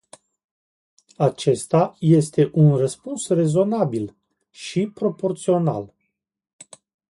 Acesta este un răspuns rezonabil și proporțional.